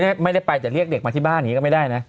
แต่ไม่ได้ไปจะเรียกเด็กมาที่บ้านก็ไม่ได้นะ